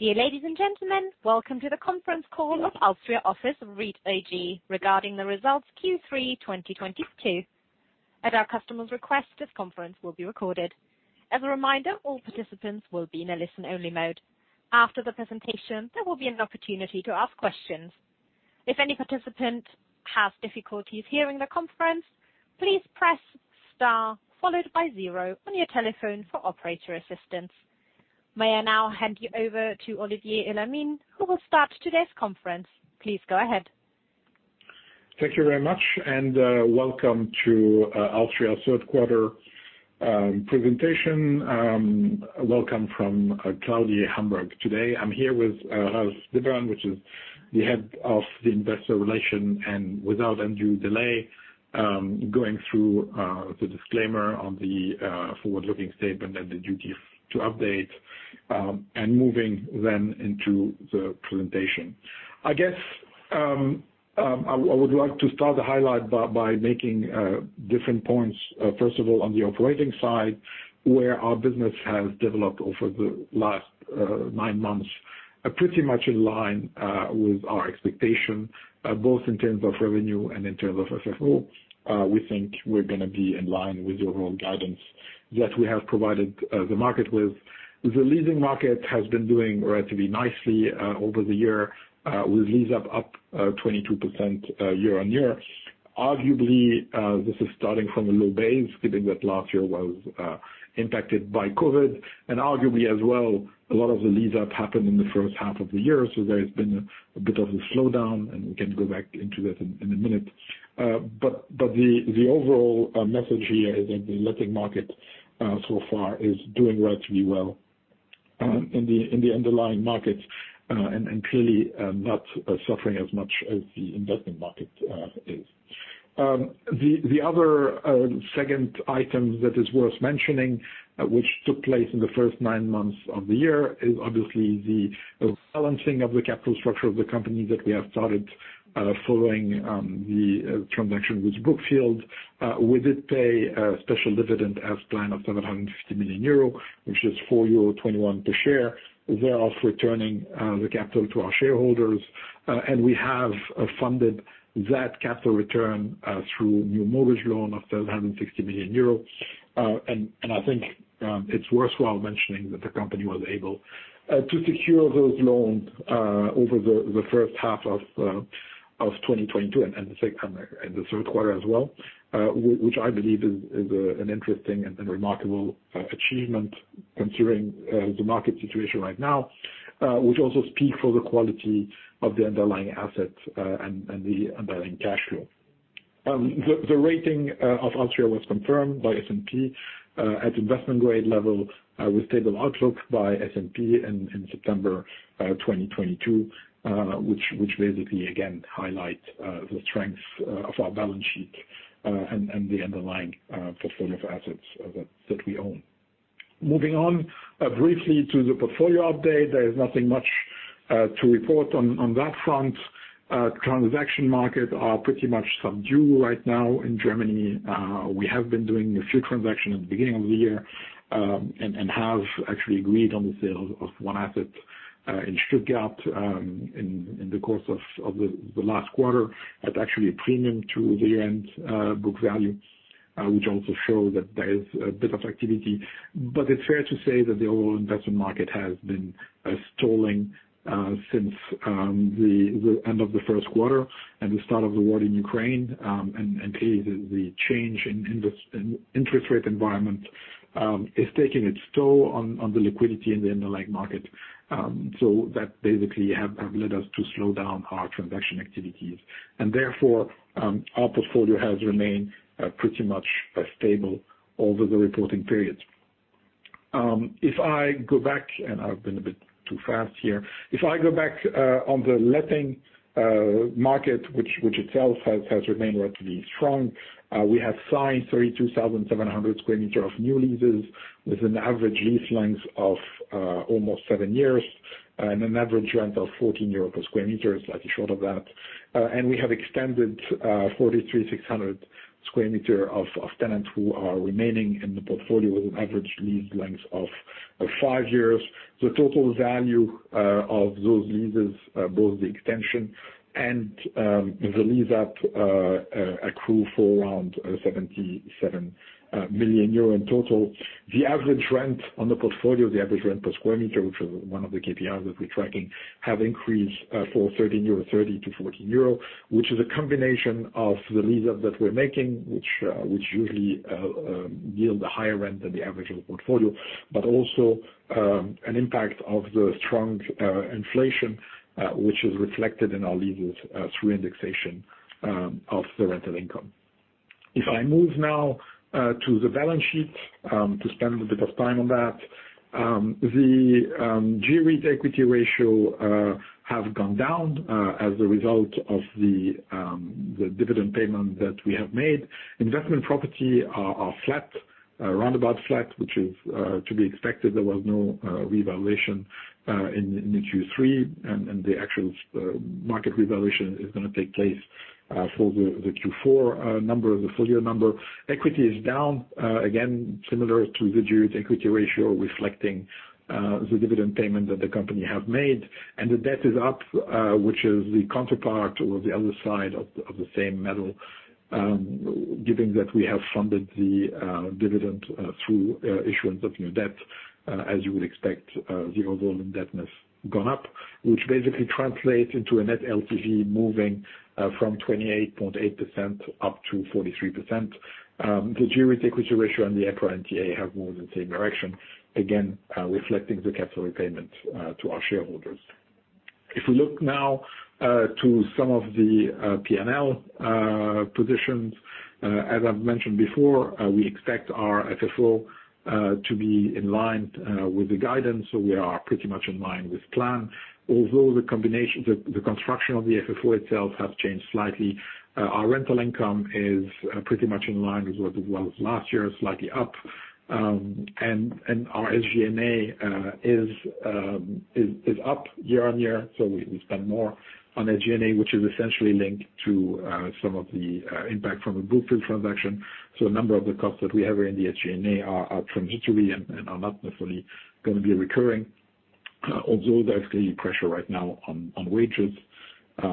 Dear ladies and gentlemen, welcome to the conference call of alstria office REIT-AG regarding the results Q3 2022. At our customer's request, this conference will be recorded. As a reminder, all participants will be in a listen-only mode. After the presentation, there will be an opportunity to ask questions. If any participant has difficulties hearing the conference, please press star followed by zero on your telephone for operator assistance. May I now hand you over to Olivier Elamine, who will start today's conference. Please go ahead. Thank you very much, and welcome to alstria third quarter presentation. Welcome from Claudia Hamburg today. I'm here with Hans Liebermann, who is the Head of Investor Relations, and without undue delay, going through the disclaimer on the forward-looking statement and the duty to update, and moving then into the presentation. I guess I would like to start the highlights by making different points. First of all, on the operating side, where our business has developed over the last nine months, pretty much in line with our expectations, both in terms of revenue and in terms of FFO. We think we're gonna be in line with the overall guidance that we have provided the market with. The leasing market has been doing relatively nicely over the year with lease-up 22% year-on-year. Arguably, this is starting from a low base given that last year was impacted by COVID. Arguably as well, a lot of the lease-up happened in the first half of the year, so there has been a bit of a slowdown, and we can go back into that in a minute. But the overall message here is that the letting market so far is doing relatively well in the underlying markets and clearly not suffering as much as the investment market is. The other second item that is worth mentioning, which took place in the first nine months of the year is obviously the balancing of the capital structure of the company that we have started following the transaction with Brookfield. We did pay a special dividend as planned of 750 million euro, which is 4.21 euro per share. Thereof returning the capital to our shareholders. We have funded that capital return through new mortgage loan of 760 million euro. I think it's worthwhile mentioning that the company was able to secure those loans over the first half of 2022 and the second and the third quarter as well. which I believe is an interesting and remarkable achievement considering the market situation right now. Which also speaks for the quality of the underlying assets and the underlying cash flow. The rating of alstria was confirmed by S&P at investment grade level with stable outlook by S&P in September 2022. Which basically again highlights the strength of our balance sheet and the underlying portfolio of assets that we own. Moving on briefly to the portfolio update. There is nothing much to report on that front. Transaction markets are pretty much subdued right now in Germany. We have been doing a few transactions at the beginning of the year and have actually agreed on the sale of one asset in Stuttgart in the course of the last quarter at actually a premium to the end book value, which also shows that there is a bit of activity. It's fair to say that the overall investment market has been stalling since the end of the first quarter and the start of the war in Ukraine. Clearly the change in interest rate environment is taking its toll on the liquidity in the underlying market, so that basically has led us to slow down our transaction activities. Therefore, our portfolio has remained pretty much stable over the reporting period. If I go back. I've been a bit too fast here. If I go back on the letting market which itself has remained relatively strong. We have signed 32,700 square meters of new leases with an average lease length of almost seven years, and an average rent of 14 euros per square meter, slightly short of that. We have extended 43,600 square meters of tenants who are remaining in the portfolio with an average lease length of five years. The total value of those leases, both the extension and the lease-up, accrue for around 77 million euro in total. The average rent on the portfolio, the average rent per square meter, which is one of the KPIs that we're tracking, have increased from 13.30 to 14 euro. Which is a combination of the lease-up that we're making, which usually yield a higher rent than the average of the portfolio. Also, an impact of the strong inflation, which is reflected in our leases, through indexation, of the rental income. If I move now, to the balance sheet, to spend a bit of time on that. The G-REIT equity ratio have gone down, as a result of the dividend payment that we have made. Investment property are flat, roundabout flat, which is to be expected. There was no revaluation in the Q3 and the actual market revaluation is gonna take place for the Q4 number, the full year number. Equity is down again, similar to the G-REIT equity ratio, reflecting the dividend payment that the company have made. The debt is up which is the counterpart or the other side of the same coin. Given that we have funded the dividend through issuance of new debt, as you would expect, the overall indebtedness gone up, which basically translates into a net LTV moving from 28.8% up to 43%. The G-REIT equity ratio and the EPRA NTA have moved in the same direction, again, reflecting the capital repayment to our shareholders. If we look now to some of the PNL positions, as I've mentioned before, we expect our FFO to be in line with the guidance, so we are pretty much in line with plan. Although the combination, the construction of the FFO itself has changed slightly. Our rental income is pretty much in line with what it was last year, slightly up. Our SG&A is up year-over-year, so we spend more on SG&A, which is essentially linked to some of the impact from the Brookfield transaction. A number of the costs that we have in the SG&A are transitory and are not necessarily gonna be recurring. Although there's clearly pressure right now on wages,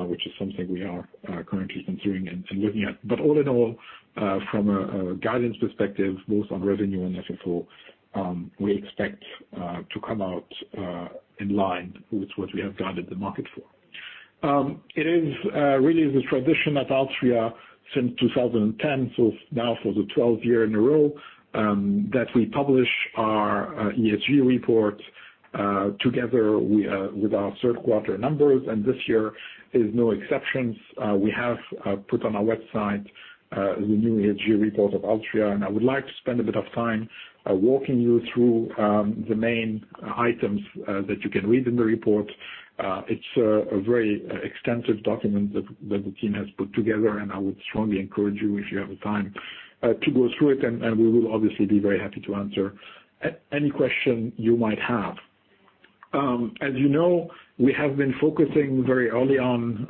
which is something we are currently considering and looking at. All in all, from a guidance perspective, both on revenue and FFO, we expect to come out in line with what we have guided the market for. It is really the tradition at alstria since 2010, so now for the twelfth year in a row, that we publish our ESG report together with our third quarter numbers, and this year is no exception. We have put on our website the new ESG report of alstria, and I would like to spend a bit of time walking you through the main items that you can read in the report. It's a very extensive document that the team has put together, and I would strongly encourage you if you have the time to go through it, and we will obviously be very happy to answer any question you might have. As you know, we have been focusing very early on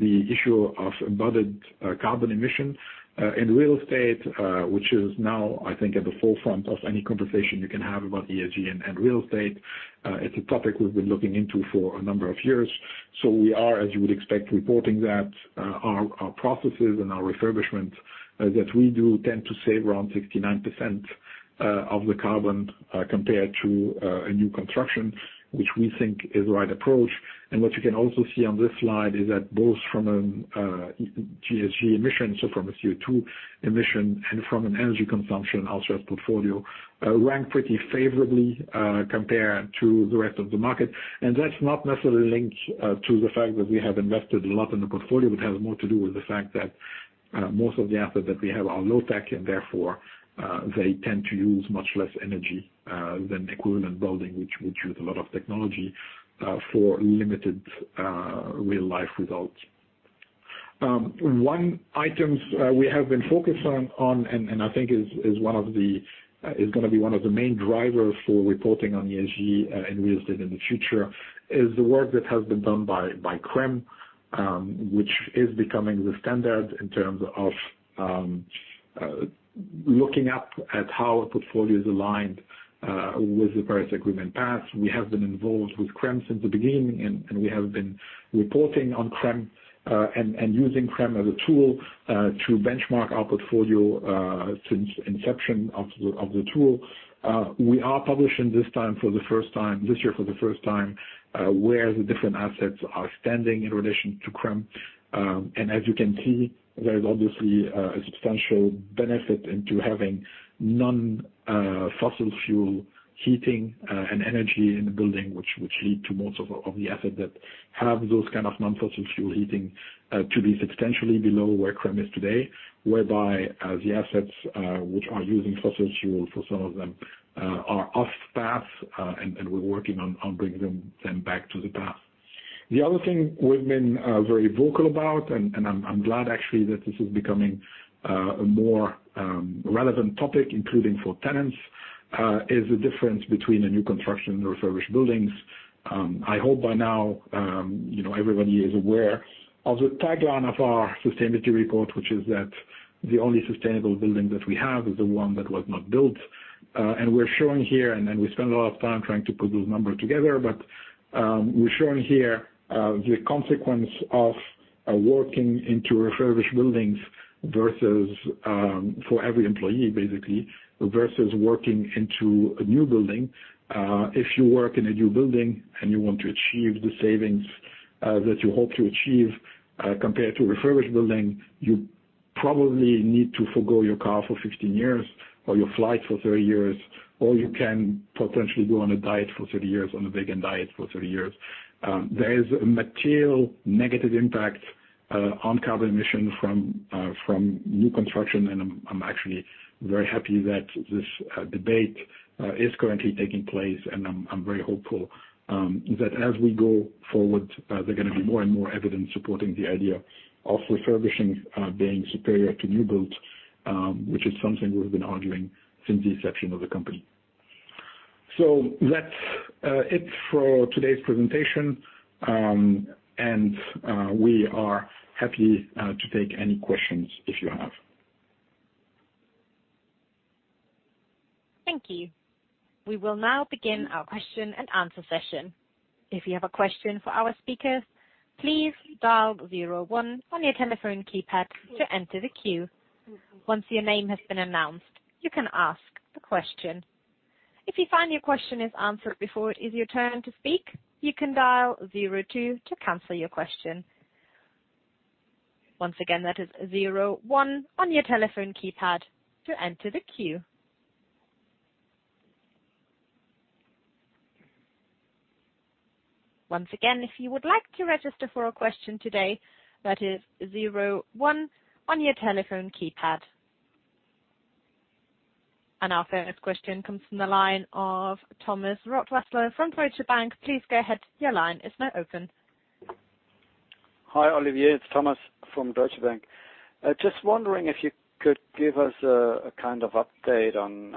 the issue of embedded carbon emissions in real estate, which is now, I think, at the forefront of any conversation you can have about ESG and real estate. It's a topic we've been looking into for a number of years. We are, as you would expect, reporting that our processes and our refurbishment that we do tend to save around 69% of the carbon compared to a new construction, which we think is the right approach. What you can also see on this slide is that both from GHG emissions, so from a CO2 emission and from an energy consumption alstria portfolio rank pretty favorably compared to the rest of the market. That's not necessarily linked to the fact that we have invested a lot in the portfolio, it has more to do with the fact that most of the assets that we have are low tech and therefore they tend to use much less energy than equivalent building, which would use a lot of technology for limited real-life results. One item we have been focused on and I think is gonna be one of the main drivers for reporting on ESG in real estate in the future is the work that has been done by CRREM, which is becoming the standard in terms of looking at how a portfolio is aligned with the Paris Agreement path. We have been involved with CRREM since the beginning, and we have been reporting on CRREM and using CRREM as a tool to benchmark our portfolio since inception of the tool. We are publishing this time for the first time, this year for the first time, where the different assets are standing in relation to CRREM. As you can see, there is obviously a substantial benefit into having non-fossil fuel heating and energy in the building, which lead to most of the asset that have those kind of non-fossil fuel heating to be substantially below where CRREM is today, whereby the assets which are using fossil fuel for some of them are off path and we're working on bringing them back to the path. The other thing we've been very vocal about and I'm glad actually that this is becoming a more relevant topic, including for tenants, is the difference between a new construction and refurbished buildings. I hope by now, you know, everybody is aware of the tagline of our sustainability report, which is that the only sustainable building that we have is the one that was not built. We're showing here, and then we spend a lot of time trying to put those numbers together, but we're showing here the consequence of working into refurbished buildings versus, for every employee basically, versus working into a new building. If you work in a new building and you want to achieve the savings that you hope to achieve compared to a refurbished building, you probably need to forgo your car for 15 years, or your flight for 30 years, or you can potentially go on a diet for 30 years, on a vegan diet for 30 years. There is a material negative impact on carbon emissions from new construction, and I'm actually very happy that this debate is currently taking place, and I'm very hopeful that as we go forward, there are gonna be more and more evidence supporting the idea of refurbishing being superior to new builds, which is something we've been arguing since the inception of the company. That's it for today's presentation, and we are happy to take any questions if you have. Thank you. We will now begin our question and answer session. If you have a question for our speakers, please dial zero one on your telephone keypad to enter the queue. Once your name has been announced, you can ask the question. If you find your question is answered before it is your turn to speak, you can dial zero two to cancel your question. Once again, that is zero one on your telephone keypad to enter the queue. Once again, if you would like to register for a question today, that is zero one on your telephone keypad. Our first question comes from the line of Thomas Rothäusler from Deutsche Bank. Please go ahead. Your line is now open. Hi, Olivier. It's Thomas from Deutsche Bank. Just wondering if you could give us a kind of update on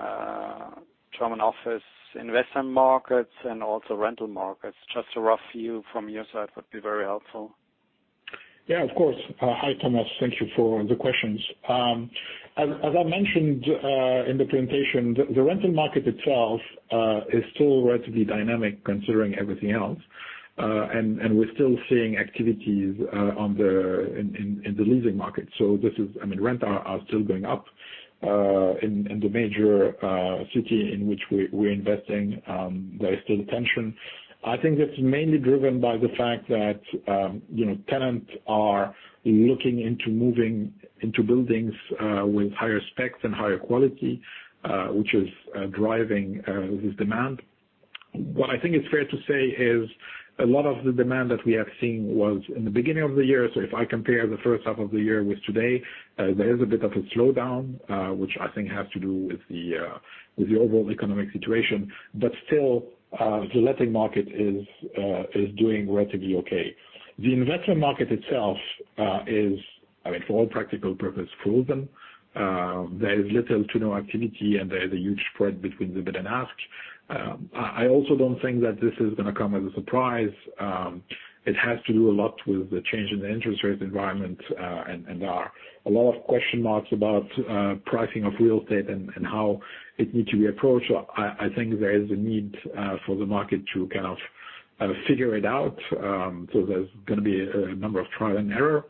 German office investment markets and also rental markets. Just a rough view from your side would be very helpful. Yeah, of course. Hi, Thomas. Thank you for the questions. As I mentioned in the presentation, the rental market itself is still relatively dynamic considering everything else. We're still seeing activities in the leasing market. I mean, rents are still going up in the major city in which we're investing. There is still demand. I think that's mainly driven by the fact that, you know, tenants are looking into moving into buildings with higher specs and higher quality, which is driving this demand. What I think is fair to say is a lot of the demand that we have seen was in the beginning of the year. If I compare the first half of the year with today, there is a bit of a slowdown, which I think has to do with the overall economic situation. Still, the letting market is doing relatively okay. The investment market itself is, I mean, for all practical purposes frozen. There is little to no activity, and there is a huge spread between the bid and ask. I also don't think that this is gonna come as a surprise. It has to do a lot with the change in the interest rate environment. There are a lot of question marks about pricing of real estate and how it needs to be approached. I think there is a need for the market to kind of figure it out. There's gonna be a number of trial and error.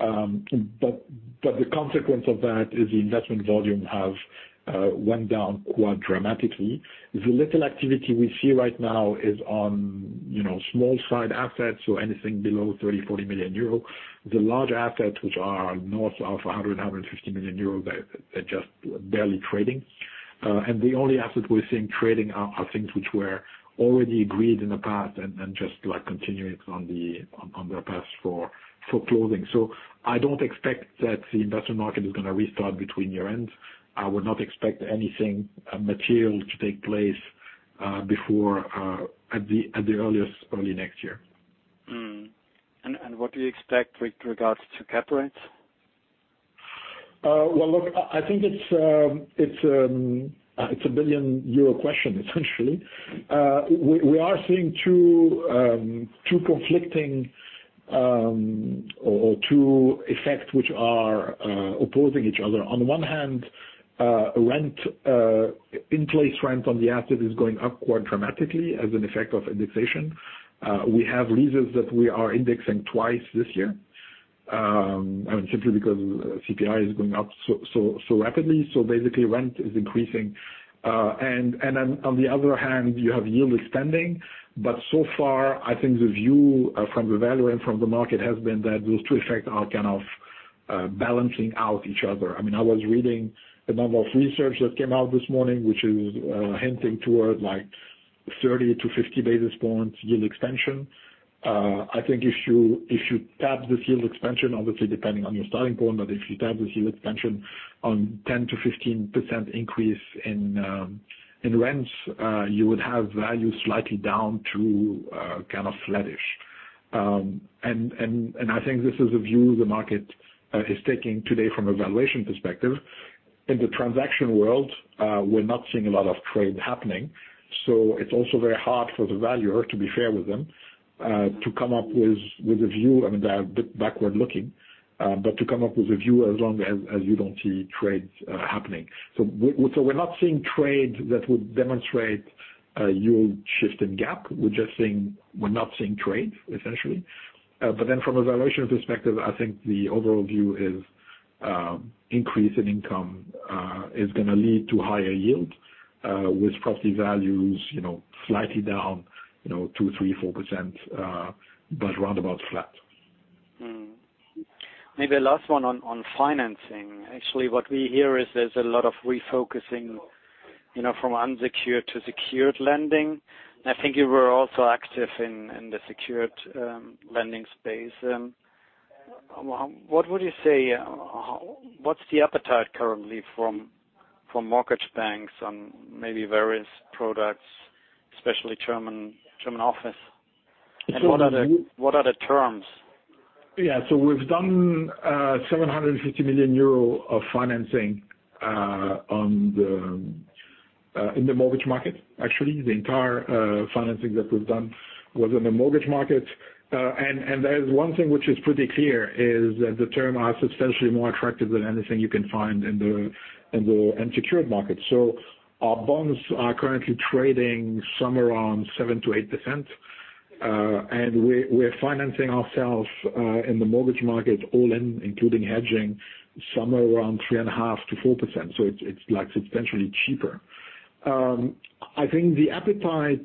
The consequence of that is the investment volume have went down quite dramatically. The little activity we see right now is on, you know, small side assets, so anything below 30-40 million euro. The large assets which are north of 100-150 million euro, they're just barely trading. The only asset we're seeing trading are things which were already agreed in the past and just like continuing on their path for closing. I don't expect that the investment market is gonna restart between year-end. I would not expect anything material to take place before, at the earliest, early next year. What do you expect with regards to cap rates? Well, look, I think it's a billion euro question essentially. We are seeing two conflicting or two effects which are opposing each other. On one hand, in-place rent on the asset is going up quite dramatically as an effect of indexation. We have leases that we are indexing twice this year, I mean, simply because CPI is going up so rapidly, so basically rent is increasing. On the other hand, you have yield extending, but so far I think the view from the valuer and from the market has been that those two effects are kind of balancing out each other. I mean, I was reading a number of research that came out this morning, which is hinting toward like 30-50 basis points yield extension. I think if you cap this yield extension, obviously depending on your starting point, but if you cap this yield extension on 10%-15% increase in rents, you would have values slightly down to kind of flattish. I think this is a view the market is taking today from a valuation perspective. In the transaction world, we're not seeing a lot of trade happening, so it's also very hard for the valuer, to be fair with them, to come up with a view. I mean, they are a bit backward looking, but to come up with a view as long as you don't see trades happening. We're not seeing trades that would demonstrate a yield shift in cap. We're not seeing trades essentially. From a valuation perspective, I think the overall view is increase in income is gonna lead to higher yield with property values, you know, slightly down, you know, 2%-4%, but roundabout flat. Maybe last one on financing. Actually, what we hear is there's a lot of refocusing, you know, from unsecured to secured lending. I think you were also active in the secured lending space. What's the appetite currently from mortgage banks on maybe various products, especially German office? And what are the terms? Yeah. We've done 750 million euro of financing in the mortgage market. Actually, the entire financing that we've done was in the mortgage market. There's one thing which is pretty clear is that the term are substantially more attractive than anything you can find in the unsecured market. Our bonds are currently trading somewhere around 7%-8%. We're financing ourselves in the mortgage market all in, including hedging somewhere around 3.5%-4%. It's like substantially cheaper. I think the appetite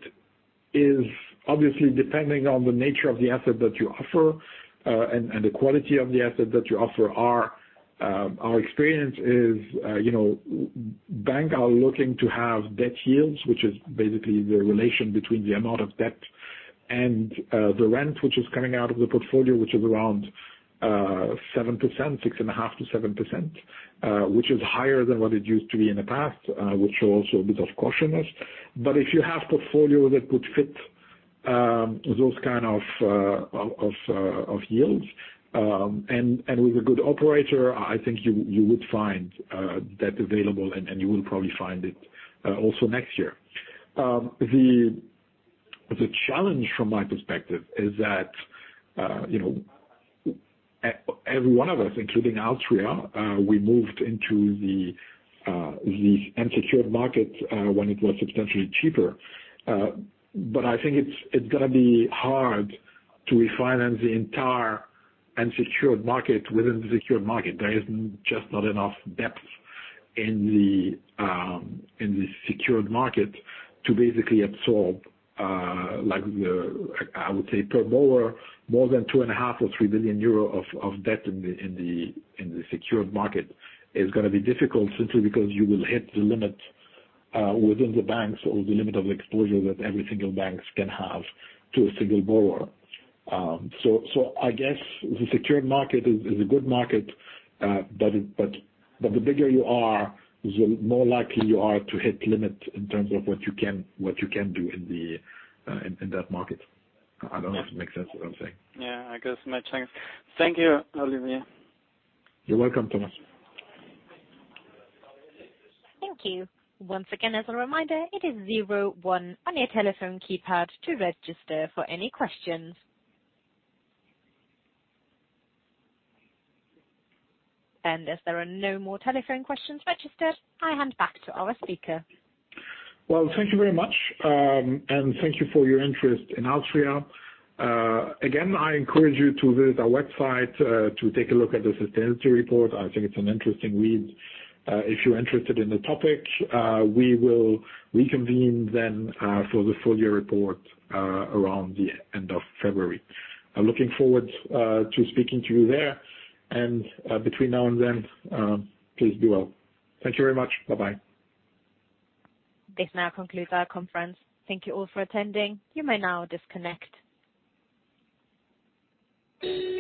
is obviously depending on the nature of the asset that you offer and the quality of the asset that you offer. Our experience is, you know, banks are looking to have debt yields, which is basically the relation between the amount of debt and the rent, which is coming out of the portfolio, which is around 7%, 6.5%-7%, which is higher than what it used to be in the past, which show also a bit of cautiousness. If you have portfolio that would fit those kind of yields and with a good operator, I think you would find debt available, and you will probably find it also next year. The challenge from my perspective is that, you know, every one of us, including alstria, we moved into the unsecured market when it was substantially cheaper. I think it's gonna be hard to refinance the entire unsecured market within the secured market. There is just not enough depth in the secured market to basically absorb, like, I would say per borrower, more than 2.5 billion or 3 billion euro of debt in the secured market is gonna be difficult simply because you will hit the limit within the banks or the limit of exposure that every single banks can have to a single borrower. I guess the secured market is a good market, but the bigger you are, the more likely you are to hit limit in terms of what you can do in that market. I don't know if it makes sense what I'm saying. Yeah, I guess it makes sense. Thank you, Olivier. You're welcome, Thomas. Thank you. Once again, as a reminder, it is zero one on your telephone keypad to register for any questions. As there are no more telephone questions registered, I hand back to our speaker. Well, thank you very much, and thank you for your interest in alstria. Again, I encourage you to visit our website, to take a look at the sustainability report. I think it's an interesting read. If you're interested in the topic, we will reconvene then, for the full year report, around the end of February. I'm looking forward, to speaking to you there. Between now and then, please do well. Thank you very much. Bye-bye. This now concludes our conference. Thank you all for attending. You may now disconnect.